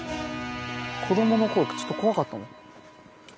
子どもの頃ちょっと怖かったもん。